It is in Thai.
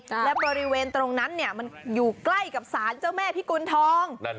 แล้วบริเวณตรงนั้นมันอยู่ใกล้กับสารเจ้าแม่พี่กุญธอง